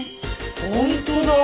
本当だ！